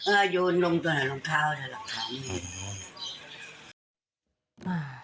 เออยนต์ลงตัวหน่อยลงเท้าเดี๋ยวหลังคล้ำ